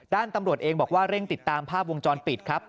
ตำรวจเองบอกว่าเร่งติดตามภาพวงจรปิดครับ